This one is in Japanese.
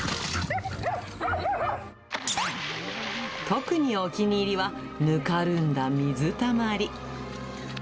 特にお気に入りは、ぬかるんだ水たまり。